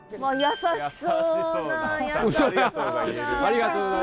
優しそうな。